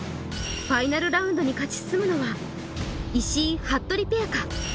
ファイナルラウンドに勝ち進むのは石井・服部ペアか？